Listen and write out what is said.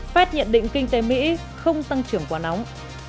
fed nhận định kinh tế mỹ không tăng trưởng quá nóng